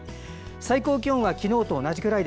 最高気温は昨日と同じくらい。